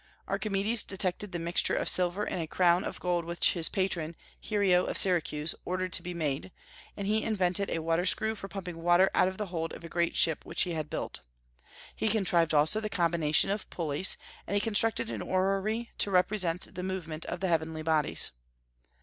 Archimedes detected the mixture of silver in a crown of gold which his patron, Hiero of Syracuse, ordered to be made; and he invented a water screw for pumping water out of the hold of a great ship which he had built. He contrived also the combination of pulleys, and he constructed an orrery to represent the movement of the heavenly bodies.